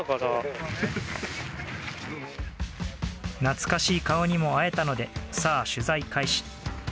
懐かしい顔にも会えたのでさあ、取材開始。